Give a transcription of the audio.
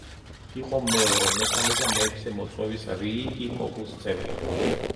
იყო მეორე, მესამე და მეექვსე მოწვევის რიიგიკოგუს წევრი.